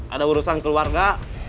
ada urusan keluarga